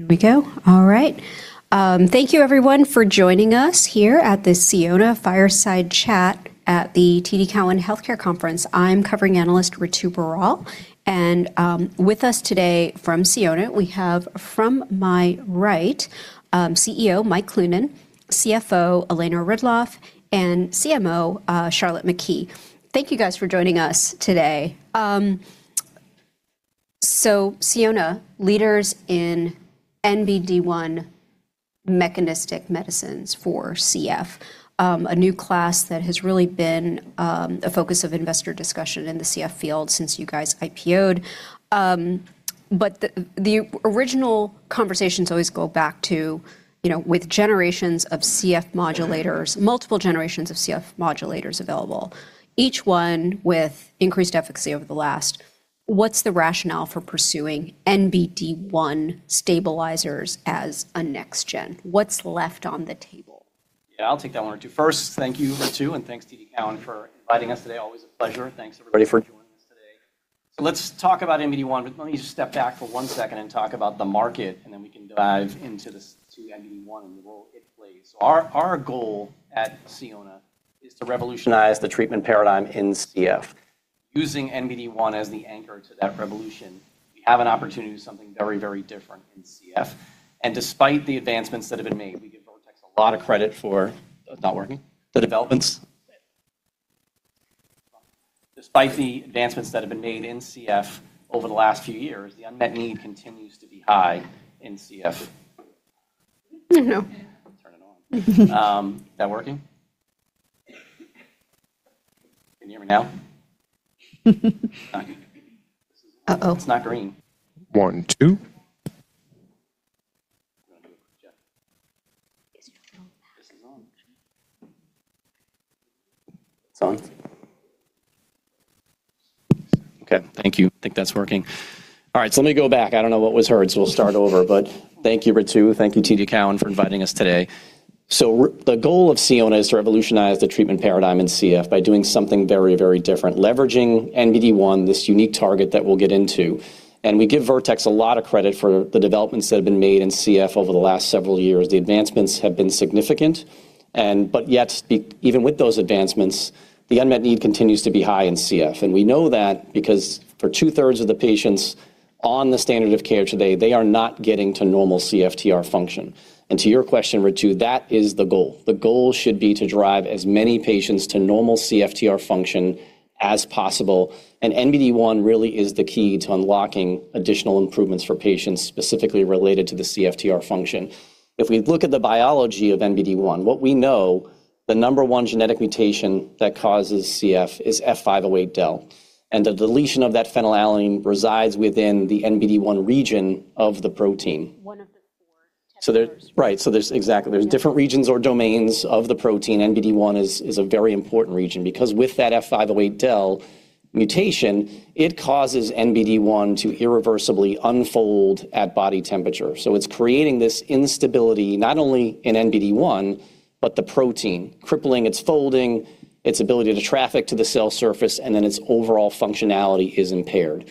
Here we go. All right. Thank you everyone for joining us here at the Sionna Fireside Chat at the TD Cowen Healthcare Conference. I'm covering analyst Ritu Beri. With us today from Sionna, we have from my right, CEO Mike Cloonan, CFO Elena Ridloff, and CMO Charlotte McKee. Thank you guys for joining us today. Sionna, leaders in NBD1 mechanistic medicines for CF, a new class that has really been a focus of investor discussion in the CF field since you guys IPO'd. The original conversations always go back to, you know, with generations of CF modulators, multiple generations of CF modulators available, each one with increased efficacy over the last. What's the rationale for pursuing NBD1 stabilizers as a next gen? What's left on the table? Yeah, I'll take that one, Ritu. First, thank you, Ritu, and thanks TD Cowen for inviting us today. Always a pleasure. Thanks everybody for joining us today. Let's talk about NBD1, but let me just step back for one second and talk about the market, and then we can dive into this, to NBD1 and the role it plays. Our goal at Sionna is to revolutionize the treatment paradigm in CF. Using NBD1 as the anchor to that revolution, we have an opportunity to do something very, very different in CF. Despite the advancements that have been made, we give Vertex a lot of credit for. Is it not working? The developments. Despite the advancements that have been made in CF over the last few years, the unmet need continues to be high in CF. Oh, no. Turn it on. Is that working? Can you hear me now? It's not green. One, two. Do you wanna do a quick check? It's not on. This is on. It's on? Okay. Thank you. I think that's working. All right, let me go back. I don't know what was heard, we'll start over. Thank you, Ritu. Thank you, TD Cowen, for inviting us today. The goal of Sionna is to revolutionize the treatment paradigm in CF by doing something very, very different, leveraging NBD1, this unique target that we'll get into. We give Vertex a lot of credit for the developments that have been made in CF over the last several years. The advancements have been significant yet even with those advancements, the unmet need continues to be high in CF. We know that because for two-thirds of the patients on the standard of care today, they are not getting to normal CFTR function. To your question, Ritu, that is the goal. The goal should be to drive as many patients to normal CFTR function as possible. NBD1 really is the key to unlocking additional improvements for patients specifically related to the CFTR function. If we look at the biology of NBD1, what we know, the number one genetic mutation that causes CF is F508del. The deletion of that phenylalanine resides within the NBD1 region of the protein. One of the four testers. Right. Exactly. There's different regions or domains of the protein. NBD1 is a very important region because with that F508del mutation, it causes NBD1 to irreversibly unfold at body temperature. It's creating this instability not only in NBD1, but the protein, crippling its folding, its ability to traffic to the cell surface, and then its overall functionality is impaired.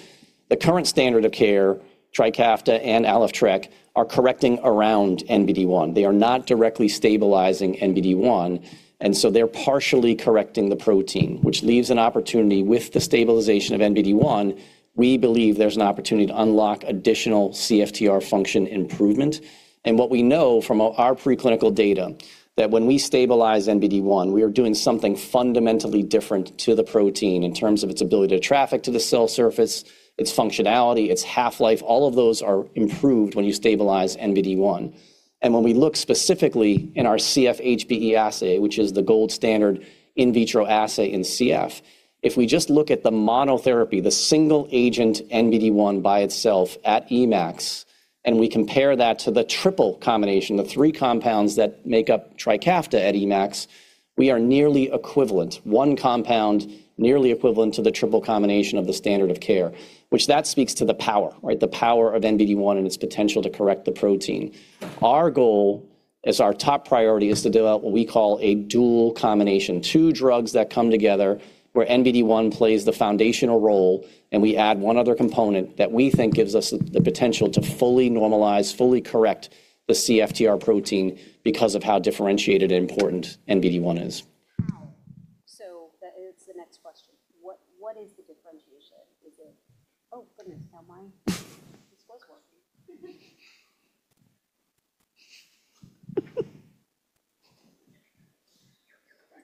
The current standard of care, Trikafta and Alyftrek, are correcting around NBD1. They are not directly stabilizing NBD1, and so they're partially correcting the protein, which leaves an opportunity with the stabilization of NBD1, we believe there's an opportunity to unlock additional CFTR function improvement. What we know from our preclinical data, that when we stabilize NBD1, we are doing something fundamentally different to the protein in terms of its ability to traffic to the cell surface, its functionality, its half-life. All of those are improved when you stabilize NBD1. When we look specifically in our CF HBE assay, which is the gold standard in vitro assay in CF, if we just look at the monotherapy, the single agent NBD1 by itself at Emax, and we compare that to the triple combination of three compounds that make up Trikafta at Emax, we are nearly equivalent. One compound nearly equivalent to the triple combination of the standard of care, which that speaks to the power, right? The power of NBD1 and its potential to correct the protein. Our goal as our top priority is to develop what we call a dual combination. Two drugs that come together where NBD1 plays the foundational role, and we add one other component that we think gives us the potential to fully normalize, fully correct the CFTR protein because of how differentiated and important NBD1 is. That is the next question. What is the differentiation? Is it... Oh, goodness, now mine... This was working.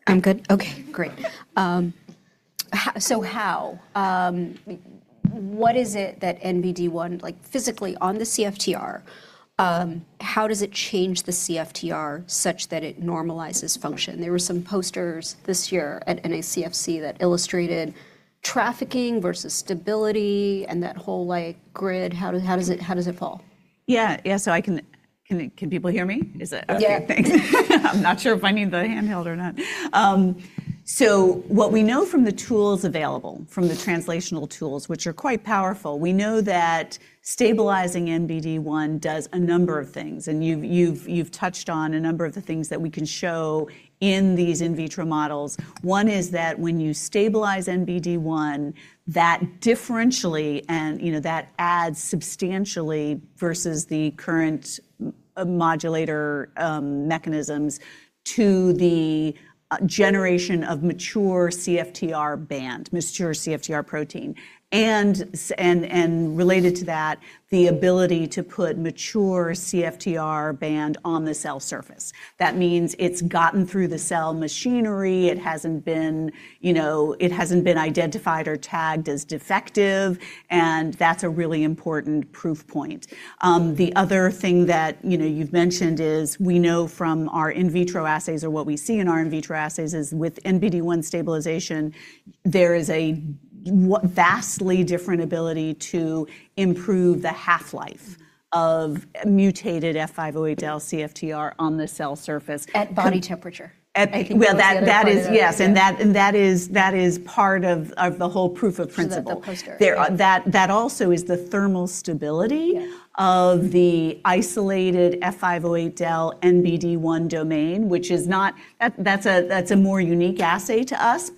I'm good? Okay, great. So how? What is it that NBD1, like physically on the CFTR, how does it change the CFTR such that it normalizes function? There were some posters this year at NACFC that illustrated trafficking versus stability and that whole like grid. How does it, how does it fall? Yeah. Yeah. Can people hear me? Is it okay? Yeah. Thanks. I'm not sure if I need the handheld or not. What we know from the tools available, from the translational tools, which are quite powerful, we know that stabilizing NBD1 does a number of things. You've touched on a number of the things that we can show in these in vitro models. One is that when you stabilize NBD1, that differentially and, you know, that adds substantially versus the current modulator mechanisms to the generation of mature CFTR band, mature CFTR protein. Related to that, the ability to put mature CFTR band on the cell surface. That means it's gotten through the cell machinery. It hasn't been, you know, it hasn't been identified or tagged as defective, and that's a really important proof point. The other thing that, you know, you've mentioned is we know from our in vitro assays or what we see in our in vitro assays is with NBD1 stabilization, there is a vastly different ability to improve the half-life of mutated F508del CFTR on the cell surface. At body temperature. At- I think that was the other part of it. Well, that is. Yes. That is part of the whole proof of principle. The post area. That also is the thermal stability. Yes of the isolated F508del NBD1 domain, that's a more unique assay to us.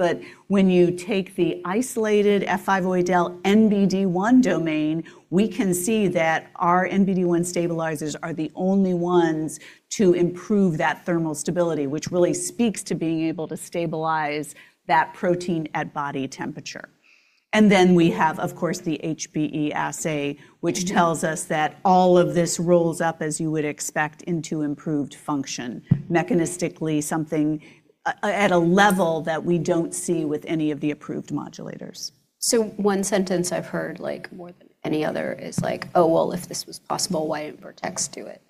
When you take the isolated F508del NBD1 domain, we can see that our NBD1 stabilizers are the only ones to improve that thermal stability, which really speaks to being able to stabilize that protein at body temperature. Then we have, of course, the HBE assay, which tells us that all of this rolls up as you would expect into improved function. Mechanistically, something at a level that we don't see with any of the approved modulators. One sentence I've heard more than any other is, "Oh, well, if this was possible, why didn't Vertex do it? Yeah. Charlotte?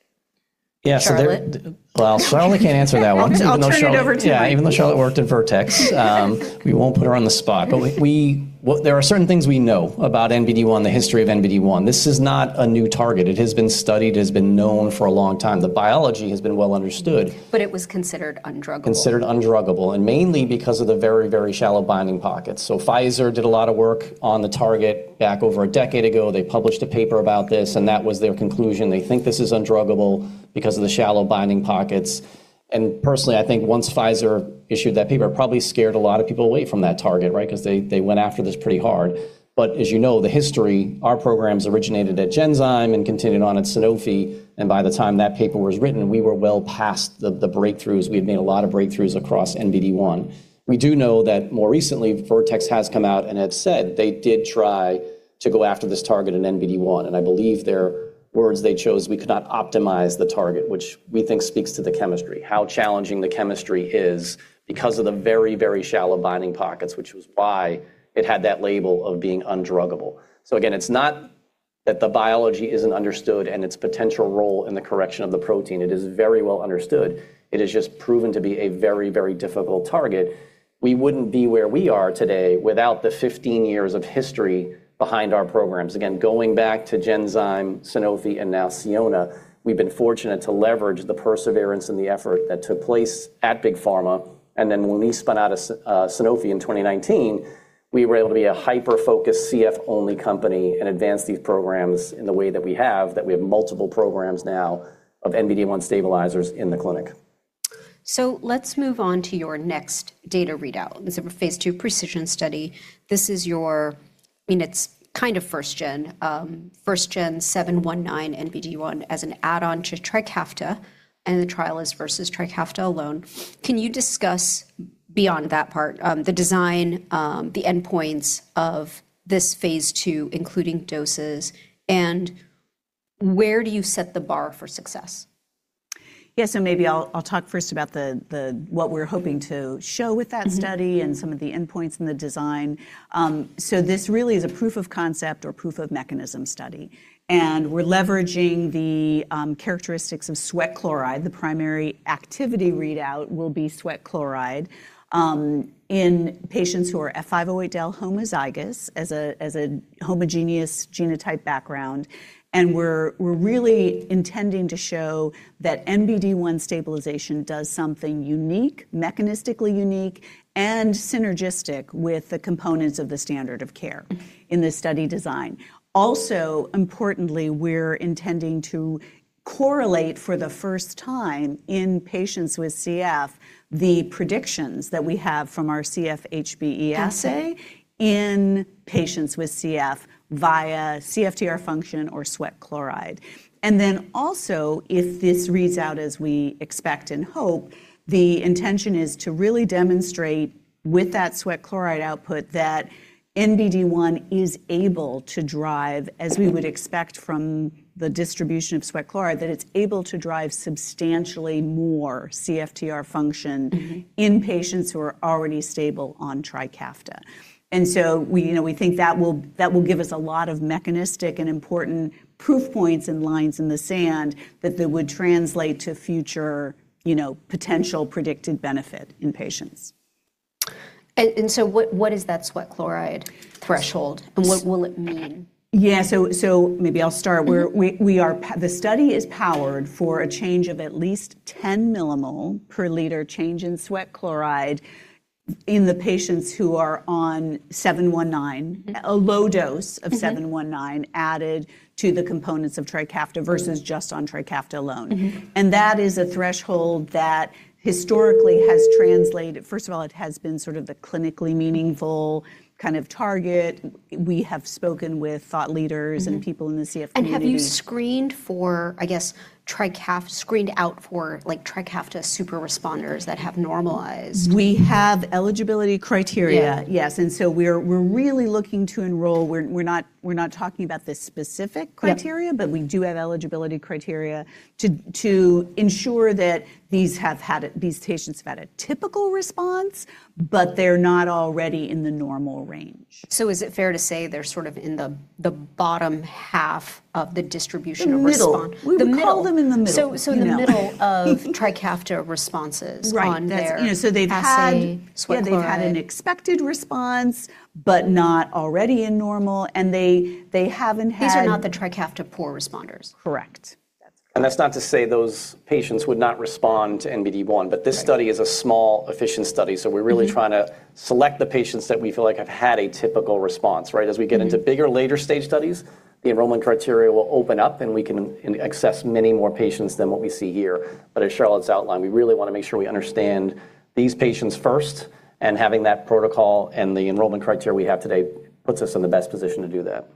Well, Charlotte can't answer that one. I'll turn it over to Mike. Yeah. Even though Charlotte worked at Vertex. We won't put her on the spot. Well, there are certain things we know about NBD1, the history of NBD1. This is not a new target. It has been studied, it has been known for a long time. The biology has been well understood. It was considered undruggable. Considered undruggable, mainly because of the very, very shallow binding pockets. Pfizer did a lot of work on the target back over a decade ago. They published a paper about this, and that was their conclusion. They think this is undruggable because of the shallow binding pockets. Personally, I think once Pfizer issued that paper, it probably scared a lot of people away from that target, right? 'Cause they went after this pretty hard. As you know, the history, our programs originated at Genzyme and continued on at Sanofi, and by the time that paper was written, we were well past the breakthroughs. We had made a lot of breakthroughs across NBD1. We do know that more recently, Vertex has come out and have said they did try to go after this target in NBD1, and I believe their words they chose, "We could not optimize the target," which we think speaks to the chemistry, how challenging the chemistry is because of the very, very shallow binding pockets, which was why it had that label of being undruggable. Again, it's not that the biology isn't understood and its potential role in the correction of the protein. It is very well understood. It has just proven to be a very, very difficult target. We wouldn't be where we are today without the 15 years of history behind our programs. Again, going back to Genzyme, Sanofi, and now Sionna, we've been fortunate to leverage the perseverance and the effort that took place at Big Pharma. When we spun out of Sanofi in 2019, we were able to be a hyper-focused CF-only company and advance these programs in the way that we have, that we have multiple programs now of NBD1 stabilizers in the clinic. Let's move on to your next data readout. This is a phase II PreciSION CF study. I mean, it's kind of first gen SION-719 NBD1 as an add-on to Trikafta, and the trial is versus Trikafta alone. Can you discuss beyond that part, the design, the endpoints of this phase II, including doses, and where do you set the bar for success? Yeah. maybe I'll talk first about what we're hoping to show with that study. Mm-hmm And some of the endpoints and the design. This really is a proof of concept or proof of mechanism study, and we're leveraging the characteristics of sweat chloride. The primary activity readout will be sweat chloride in patients who are F508del homozygous as a homogeneous genotype background. We're really intending to show that NBD1 stabilization does something unique, mechanistically unique and synergistic with the components of the standard of care- Mm-hmm... in this study design. Importantly, we're intending to correlate for the first time in patients with CF the predictions that we have from our CF HBE assay. Assay... in patients with CF via CFTR function or sweat chloride. Also, if this reads out as we expect and hope, the intention is to really demonstrate with that sweat chloride output that NBD1 is able to drive, as we would expect from the distribution of sweat chloride, that it's able to drive substantially more CFTR function. Mm-hmm... in patients who are already stable on Trikafta. We, you know, we think that will give us a lot of mechanistic and important proof points and lines in the sand that they would translate to future, you know, potential predicted benefit in patients. What is that sweat chloride threshold? Yes. What will it mean? Yeah, maybe I'll start. Mm-hmm... where the study is powered for a change of at least 10 millimole per liter change in sweat chloride in the patients who are on 719. Mm-hmm. A low dose of SION-719 Mm-hmm... added to the components of Trikafta- Mm-hmm... versus just on Trikafta alone. Mm-hmm. That is a threshold that historically has translated, first of all, it has been sort of the clinically meaningful kind of target. We have spoken with thought leaders. Mm-hmm... and people in the CF community. Have you screened for, I guess, screened out for, like, Trikafta super responders that have normalized? We have eligibility criteria. Yeah. Yes. We're really looking to enroll. We're not talking about the specific criteria. Yep We do have eligibility criteria to ensure that these patients have had a typical response, but they're not already in the normal range. Is it fair to say they're sort of in the bottom half of the distribution of response? The middle. The middle. We call them in the middle. the middle- You know.... of Trikafta responses. Right. on You know, so they've had-... assay, sweat chloride yeah, they've had an expected response, but not already in normal, and they haven't had. These are not the Trikafta poor responders. Correct. That's correct. That's not to say those patients would not respond to NBD1. Right This study is a small, efficient study. Mm-hmm... trying to select the patients that we feel like have had a typical response, right? As we get into-. Mm-hmm... bigger, later-stage studies, the enrollment criteria will open up, and we can access many more patients than what we see here. As Charlotte's outlined, we really wanna make sure we understand these patients first, and having that protocol and the enrollment criteria we have today puts us in the best position to do that.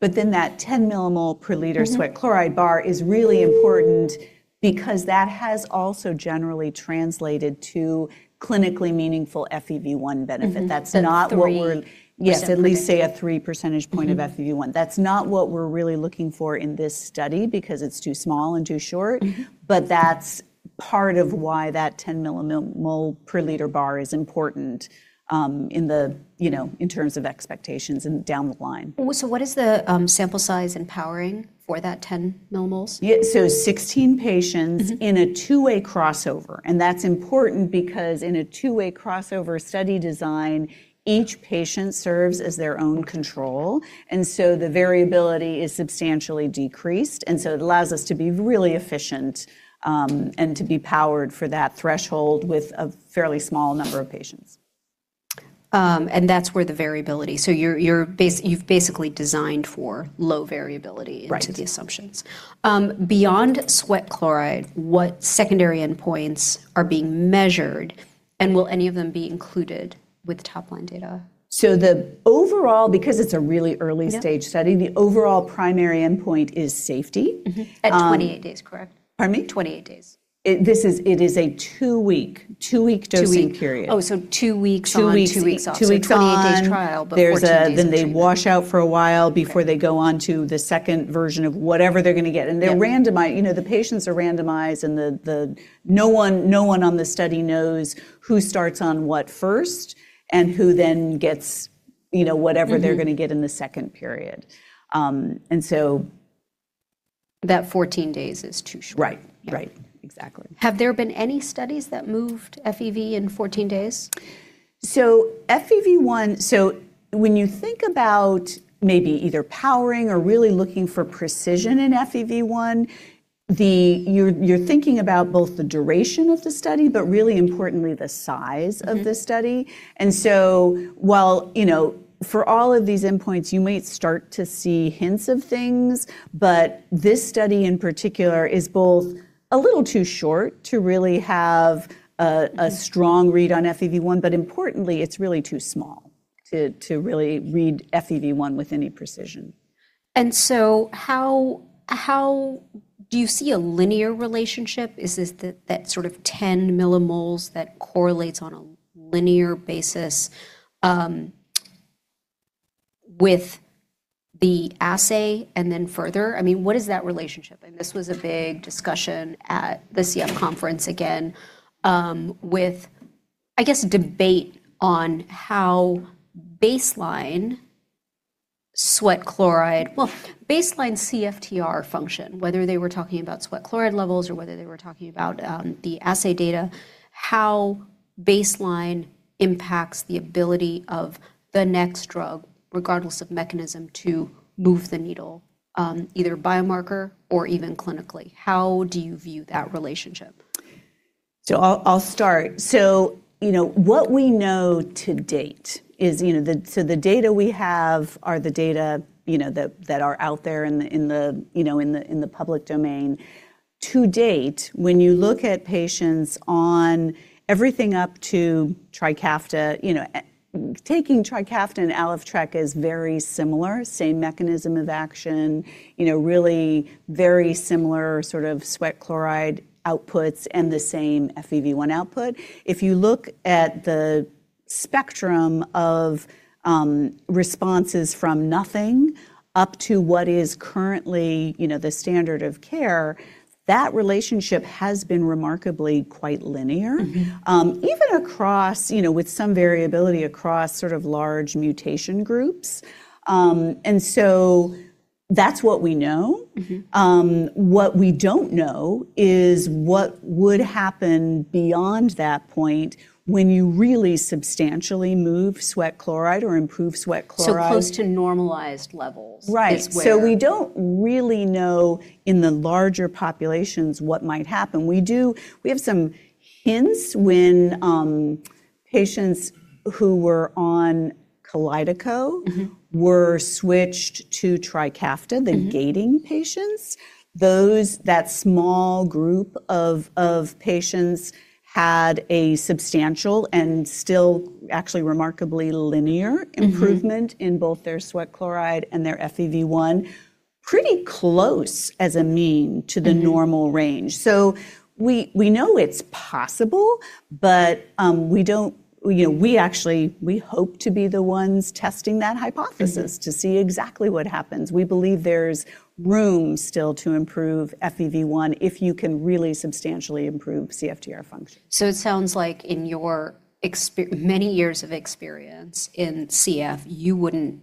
that 10 millimole per liter- Mm-hmm sweat chloride bar is really important because that has also generally translated to clinically meaningful FEV1 benefit. Mm-hmm. That's not what we're-. So three percent- Yes, at least say a three percentage point of FEV1. Mm-hmm. That's not what we're really looking for in this study because it's too small and too short. Mm-hmm. That's part of why that 10 millimole per liter bar is important, in the, you know, in terms of expectations and down the line. What is the sample size in powering for that 10 millimoles? Yeah, 16 patients. Mm-hmm... in a two-way crossover, and that's important because in a two-way crossover study design, each patient serves as their own control. The variability is substantially decreased, and so it allows us to be really efficient and to be powered for that threshold with a fairly small number of patients. That's where the variability. You've basically designed for low variability. Right... into the assumptions. Beyond sweat chloride, what secondary endpoints are being measured, and will any of them be included with the top-line data? Because it's a really early-stage- Yeah study, the overall primary endpoint is safety. Mm-hmm. Um- At 28 days, correct? Pardon me? 28 days. It is a two-week dosing period. Two weeks. Oh, so two weeks on- Two weeks. Two weeks off. Two weeks on. 28 days trial. There's a 14 days of treatment then they wash out for a while before they go on to the second version of whatever they're gonna get. Yep. They're randomized. You know, the patients are randomized, and no one on the study knows who starts on what first and who then gets, you know, whatever they're gonna get in the second period. That 14 days is too short. Right. Right. Exactly. Have there been any studies that moved FEV in 14 days? FEV1, so when you think about maybe either powering or really looking for precision in FEV1, You're thinking about both the duration of the study, but really importantly, the size of the study. While, you know, for all of these endpoints, you might start to see hints of things, but this study, in particular, is both a little too short to really have strong read on FEV1, importantly, it's really too small to really read FEV1 with any precision. How do you see a linear relationship? Is this that sort of 10 millimoles that correlates on a linear basis with the assay and then further? I mean, what is that relationship? This was a big discussion at the CF conference again, with, I guess, debate on how baseline CFTR function, whether they were talking about sweat chloride levels or whether they were talking about the assay data, how baseline impacts the ability of the next drug, regardless of mechanism, to move the needle, either biomarker or even clinically. How do you view that relationship? I'll start. You know, what we know to date is, you know, the data we have are the data, you know, that are out there in the public domain. To date, when you look at patients on everything up to Trikafta, you know, taking Trikafta and Alyftrek is very similar, same mechanism of action, you know, really very similar sort of sweat chloride outputs and the same FEV1 output. If you look at the spectrum of responses from nothing up to what is currently, you know, the standard of care, that relationship has been remarkably quite linear. Mm-hmm. Even across, you know, with some variability across sort of large mutation groups. That's what we know. Mm-hmm. What we don't know is what would happen beyond that point when you really substantially move sweat chloride or improve sweat chloride. close to normalized levels. Right is We don't really know in the larger populations what might happen. We have some hints when patients who were on Kalydeco were switched to Trikafta the gating patients, that small group of patients had a substantial and still actually remarkably linear improvement in both their sweat chloride and their FEV1, pretty close as a mean. Mm-hmm... normal range. We know it's possible, but, we hope to be the ones testing that hypothesis. Mm-hmm to see exactly what happens. We believe there's room still to improve FEV1 if you can really substantially improve CFTR function. It sounds like in your many years of experience in CF, you wouldn't,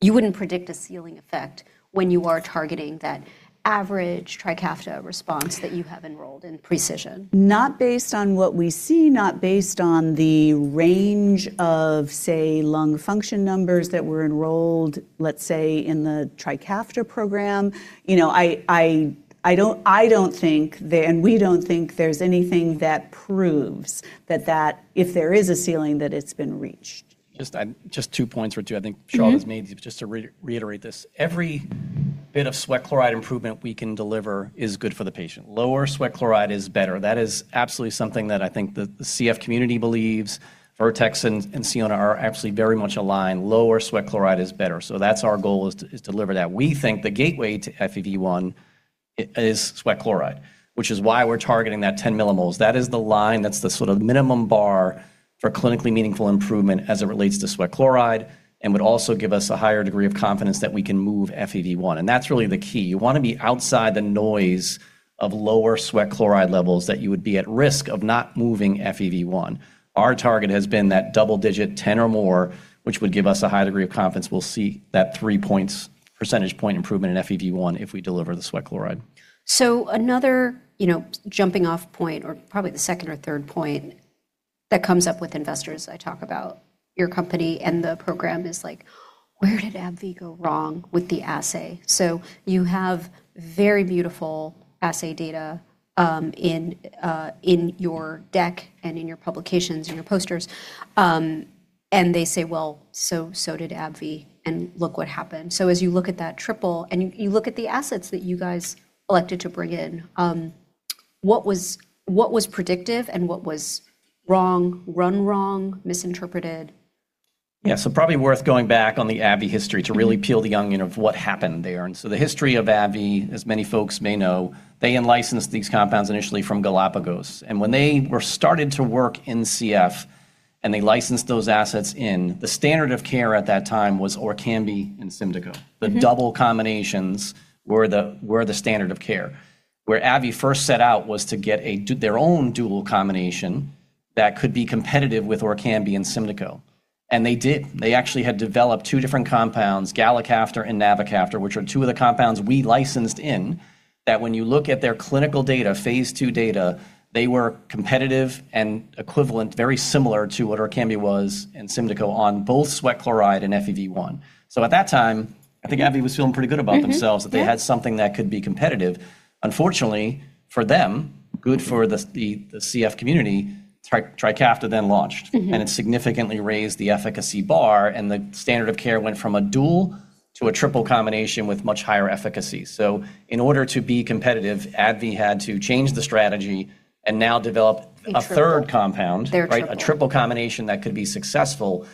you wouldn't predict a ceiling effect when you are targeting that average Trikafta response that you have enrolled in PreciSION. Not based on what we see, not based on the range of, say, lung function numbers that were enrolled, let's say, in the Trikafta program. You know, and we don't think there's anything that proves that if there is a ceiling, that it's been reached. Just, just two points or two I think Charlotte. Mm-hmm... has made just to reiterate this. Every bit of sweat chloride improvement we can deliver is good for the patient. Lower sweat chloride is better. That is absolutely something that I think the CF community believes. Vertex and Sionna are absolutely very much aligned. Lower sweat chloride is better, so that's our goal is to deliver that. We think the gateway to FEV1 is sweat chloride, which is why we're targeting that 10 millimoles. That is the line, that's the sort of minimum bar for clinically meaningful improvement as it relates to sweat chloride and would also give us a higher degree of confidence that we can move FEV1, and that's really the key. You wanna be outside the noise of lower sweat chloride levels that you would be at risk of not moving FEV1. Our target has been that double digit, 10 or more, which would give us a high degree of confidence we'll see that 3 percentage point improvement in FEV1 if we deliver the sweat chloride. Another, you know, jumping off point or probably the second or third point that comes up with investors I talk about your company and the program is like, "Where did AbbVie go wrong with the assay?" You have very beautiful assay data, in your deck and in your publications and your posters. And they say, "Well, so did AbbVie, and look what happened." As you look at that triple, and you look at the assets that you guys elected to bring in, what was predictive and what was wrong, run wrong, misinterpreted? Yeah, probably worth going back on the AbbVie history. Mm-hmm... to really peel the onion of what happened there. The history of AbbVie, as many folks may know, they in-licensed these compounds initially from Galapagos. When they were started to work in CF and they licensed those assets in, the standard of care at that time was Orkambi and Symdeko. Mm-hmm. The double combinations were the standard of care. Where AbbVie first set out was to get their own dual combination that could be competitive with Orkambi and Symdeko, and they did. They actually had developed two different compounds, galicaftor and navacaftor, which are two of the compounds we licensed in, that when you look at their clinical data, Phase II data, they were competitive and equivalent, very similar to what Orkambi was and Symdeko on both sweat chloride and FEV1. At that time, I think AbbVie was feeling pretty good about themselves. Mm-hmm. Yeah... that they had something that could be competitive. Unfortunately, for them, good for the CF community, Trikafta then launched. Mm-hmm. It significantly raised the efficacy bar, and the standard of care went from a dual to a triple combination with much higher efficacy. In order to be competitive, AbbVie had to change the strategy and now. A triple.... a third compound. Their triple. Right, a triple combination that could be successful,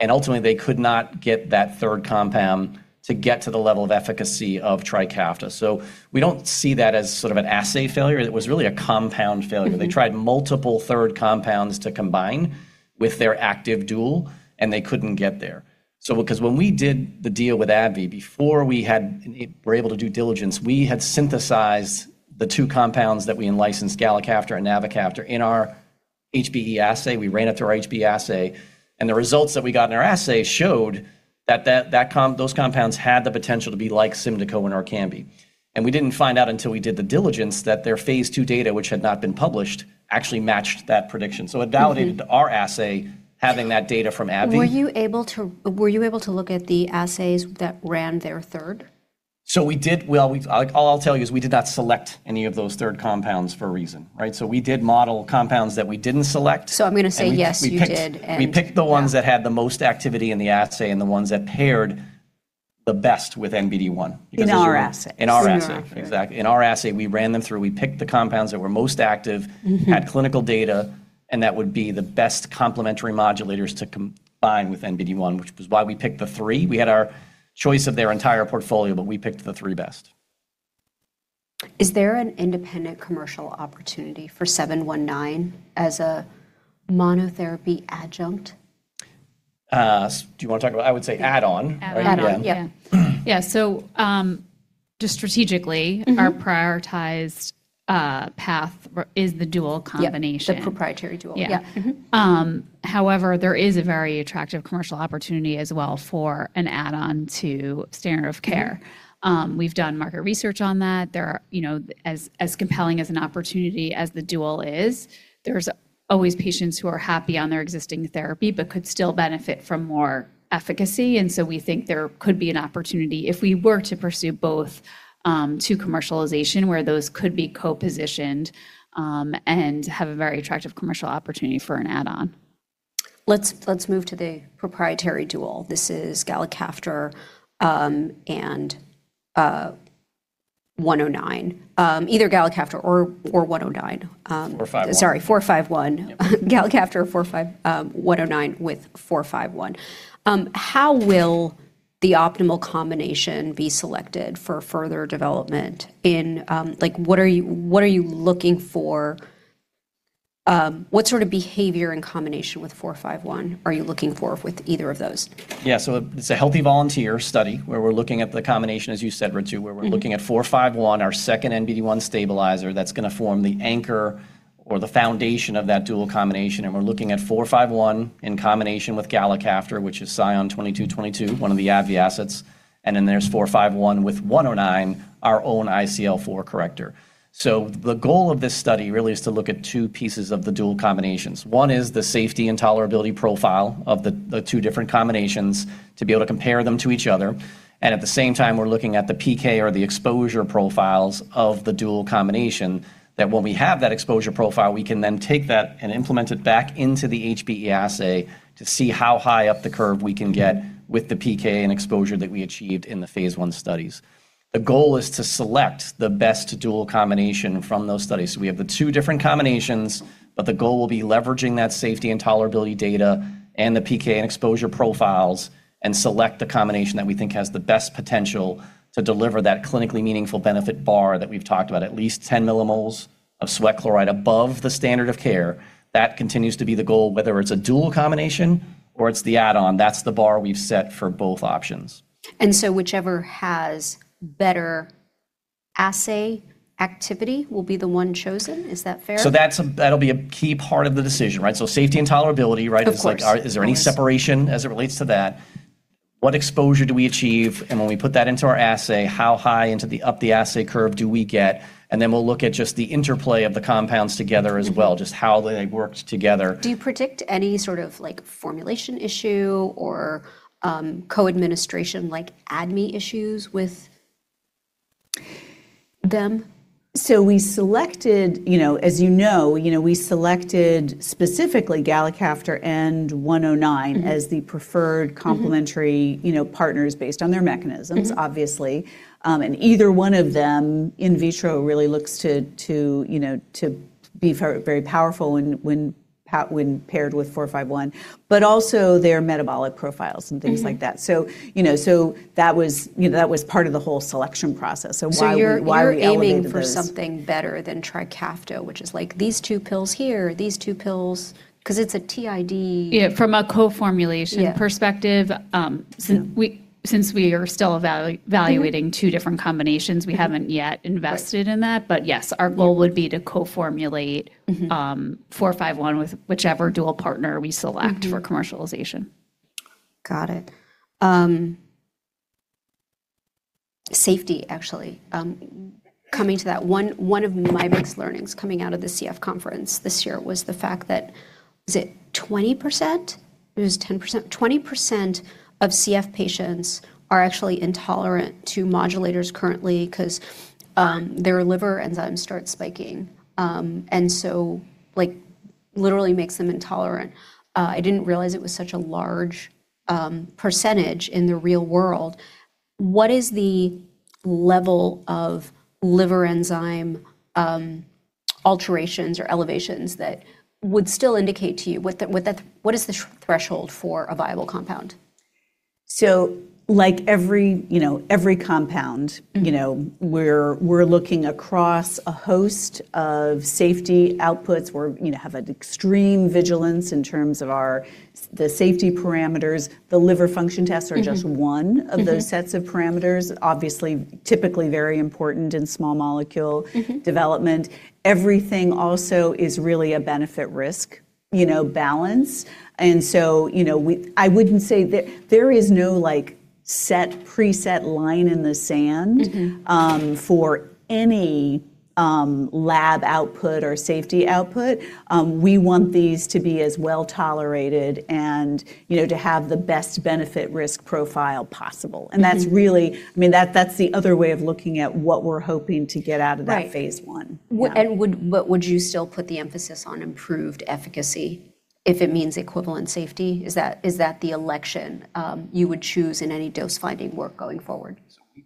and ultimately, they could not get that third compound to get to the level of efficacy of Trikafta. We don't see that as sort of an assay failure. It was really a compound failure. Mm-hmm. They tried multiple third compounds to combine with their active dual. They couldn't get there. Because when we did the deal with AbbVie, before we were able to do diligence, we had synthesized the two compounds that we in-licensed, galicaftor and navacaftor, in our HBE assay. We ran it through our HBE assay. The results that we got in our assay showed that those compounds had the potential to be like Symdeko and Orkambi. We didn't find out until we did the diligence that their Phase II data, which had not been published, actually matched that prediction. Mm-hmm. It validated our assay having that data from AbbVie. Were you able to look at the assays that ran their third? Well, all I'll tell you is we did not select any of those third compounds for a reason, right? We did model compounds that we didn't select. I'm gonna say yes, you did. We picked the ones that had the most activity in the assay and the ones that paired the best with NBD1. In our assay. In our assay. In your assay. Exactly. In our assay, we ran them through. We picked the compounds that were most active- Mm-hmm... had clinical data, that would be the best complementary modulators to combine with NBD1, which was why we picked the three. We had our choice of their entire portfolio, we picked the three best. Is there an independent commercial opportunity for SION-719 as a monotherapy adjunct? Do you wanna talk about, I would say add-on. Right? Add-on. Add-on. Yeah. Yeah. Yeah. Yeah. Just strategically- Mm-hmm... our prioritized path is the dual combination. Yeah, the proprietary dual. Yeah. Yeah. Mm-hmm. However, there is a very attractive commercial opportunity as well for an add-on to standard of care. We've done market research on that. There are, you know, as compelling as an opportunity as the dual is, there's always patients who are happy on their existing therapy but could still benefit from more efficacy. We think there could be an opportunity if we were to pursue both to commercialization, where those could be co-positioned and have a very attractive commercial opportunity for an add-on. Let's move to the proprietary dual. This is galicaftor, and SION-109. Either galicaftor or SION-109. SION-451 Sorry, SION-451. Yep. Galicaftor, SION-109 with SION-451. How will the optimal combination be selected for further development in...? Like, what are you looking for? What sort of behavior in combination with SION-451 are you looking for with either of those? Yeah. It's a healthy volunteer study where we're looking at the combination, as you said, Ritu. Mm-hmm... where we're looking at 451, our second NBD1 stabilizer that's gonna form the anchor or the foundation of that dual combination, and we're looking at 451 in combination with galicaftor, which is SION-2222, one of the AbbVie assets. There's 451 with 109, our own ICL4 corrector. The goal of this study really is to look at 2 pieces of the dual combinations. One is the safety and tolerability profile of the two different combinations to be able to compare them to each other. At the same time, we're looking at the PK or the exposure profiles of the dual combination that when we have that exposure profile, we can then take that and implement it back into the HBE assay to see how high up the curve we can get with the PK and exposure that we achieved in the phase I studies. The goal is to select the best dual combination from those studies. We have the two different combinations, but the goal will be leveraging that safety and tolerability data and the PK and exposure profiles and select the combination that we think has the best potential to deliver that clinically meaningful benefit bar that we've talked about, at least 10 millimoles of sweat chloride above the standard of care. That continues to be the goal, whether it's a dual combination or it's the add-on. That's the bar we've set for both options. Whichever has better assay activity will be the one chosen. Is that fair? That'll be a key part of the decision, right? Safety and tolerability, right? Of course. Always. It's like, is there any separation as it relates to that? What exposure do we achieve? When we put that into our assay, how high up the assay curve do we get? Then we'll look at just the interplay of the compounds together as well. Mm-hmm just how they worked together. Do you predict any sort of, like, formulation issue or co-administration like ADME issues with them? we selected, you know, as you know, you know, we selected specifically galicaftor and SION-109. Mm-hmm... as the preferred complementary- Mm-hmm... you know, partners based on their mechanisms. Mm-hmm... obviously. either one of them in vitro really looks to, you know, to be very powerful when paired with 451, but also their metabolic profiles and things like that. Mm-hmm. You know, so that was, you know, that was part of the whole selection process. Why. So you're- why we elevated those.... you're aiming for something better than Trikafta, which is, like, these two pills here... 'Cause it's a TID. Yeah, from a co-formulation- Yeah... perspective, since Yeah... since we are still evaluating- Mm-hmm... two different combinations, we haven't yet invested in that. Right. Yes, our goal would be to co-formulate- Mm-hmm... SION-451 with whichever dual partner we select. Mm-hmm... for commercialization. Got it. Safety, actually. Coming to that, one of my biggest learnings coming out of the CF conference this year was the fact that, was it 20%? Or it was 10%. 20% of CF patients are actually intolerant to modulators currently 'cause their liver enzymes start spiking, like, literally makes them intolerant. I didn't realize it was such a large percentage in the real world. What is the level of liver enzyme alterations or elevations that would still indicate to you what the threshold for a viable compound? like every, you know, every... Mm-hmm... you know, we're looking across a host of safety outputs. We're, you know, have an extreme vigilance in terms of our the safety parameters. The liver function tests are just. Mm-hmm one of those- Mm-hmm... sets of parameters, obviously, typically very important in small molecule- Mm-hmm... development. Everything also is really a benefit risk, you know, balance. You know, I wouldn't say there is no, like, set, preset line in the sand for any, lab output or safety output. We want these to be as well-tolerated and, you know, to have the best benefit risk profile possible. Mm-hmm. I mean, that's the other way of looking at what we're hoping to get out of that phase I. Yeah. Would you still put the emphasis on improved efficacy if it means equivalent safety? Is that the election, you would choose in any dose-finding work going forward?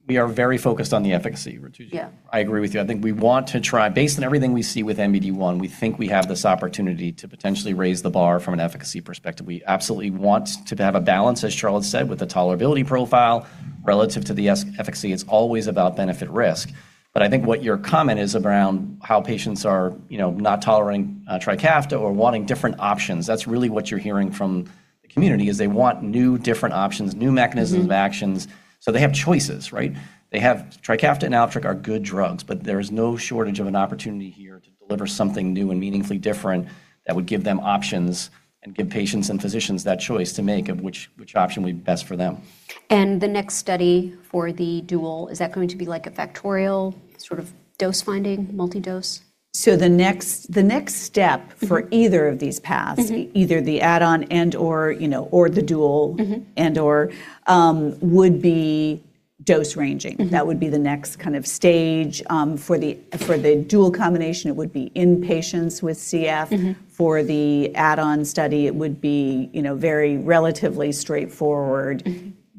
We are very focused on the efficacy, Ritu. Yeah. I agree with you. I think we want to try. Based on everything we see with NBD1, we think we have this opportunity to potentially raise the bar from an efficacy perspective. We absolutely want to have a balance, as Charlotte said, with the tolerability profile relative to the efficacy. It's always about benefit risk. I think what your comment is around how patients are, you know, not tolerating Trikafta or wanting different options, that's really what you're hearing from the community is they want new, different options, new mechanisms of actions. They have choices, right? Trikafta and Alyftrek are good drugs. There is no shortage of an opportunity here to deliver something new and meaningfully different that would give them options and give patients and physicians that choice to make of which option would be best for them. The next study for the dual, is that going to be, like, a factorial sort of dose finding, multi-dose? The next step either of these paths either the add-on and/or, you know, or the dual and/or, would be dose ranging. Mm-hmm. That would be the next kind of stage. For the dual combination, it would be in patients with CF. Mm-hmm. For the add-on study, it would be, you know, very relatively straightforward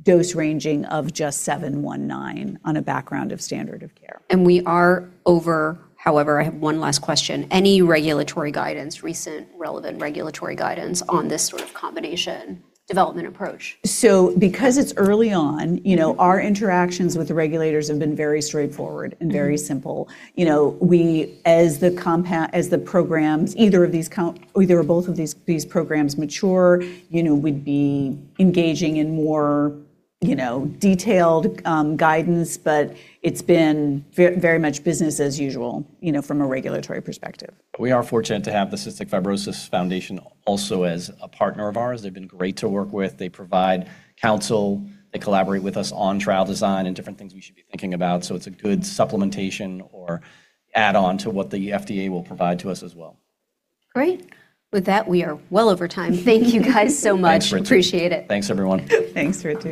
dose ranging of just SION-719 on a background of standard of care. We are over. However, I have one last question. Any regulatory guidance, recent relevant regulatory guidance on this sort of combination development approach? Because it's early on, you know, our interactions with the regulators have been very straightforward and very simple. We, as the programs, either or both of these programs mature, you know, we'd be engaging in more, you know, detailed guidance. It's been very much business as usual, you know, from a regulatory perspective. We are fortunate to have the Cystic Fibrosis Foundation also as a partner of ours. They've been great to work with. They provide counsel. They collaborate with us on trial design and different things we should be thinking about, so it's a good supplementation or add-on to what the FDA will provide to us as well. Great. With that, we are well over time. Thank you guys so much. Thanks, Ritu. Appreciate it. Thanks, everyone. Thanks, Ritu.